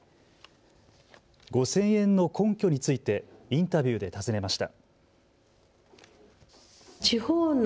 ５０００円の根拠についてインタビューで尋ねました。